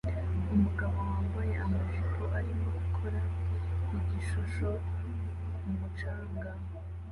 Umugabo wambaye amajipo arimo gukora igishusho mumucanga